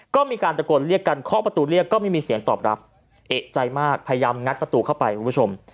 ก็มีการตะโกนเรียกกันเคาะประตูเรียกก็ไม่มีเสียงตอบรับเอกใจมากพยายามงัดประตูเข้าไปคุณผู้ชม